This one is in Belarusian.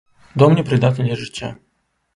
Дом непрыдатны для жыцця.